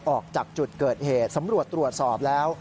ออกจากจุดเกิดเหตุสำรวจตรวจสอบแล้ว